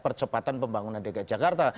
percepatan pembangunan dki jakarta